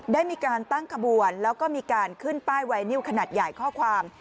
ได้มีการตั้งขบวนแล้วก็มีการขึ้นป้ายไวนิวขนาดใหญ่ข้อความ